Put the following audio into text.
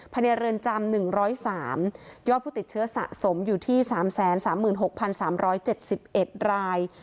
เรือนจำ๑๐๓ยอดผู้ติดเชื้อสะสมอยู่ที่๓๓๖๓๗๑ราย